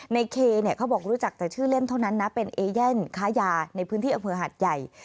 ในเคเนี่ยเขาบอกรู้จักแต่ชื่อเล่นเท่านั้นนะเป็นเอเย่นค้ายาในพื้นที่อำเภอหาดใหญ่